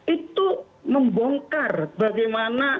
itu membongkar bagaimana